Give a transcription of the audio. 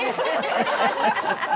「ハハハハ！